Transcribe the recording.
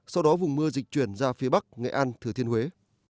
sau đó vùng mưa dịch chuyển ra phía bắc nghệ an thừa thiên huế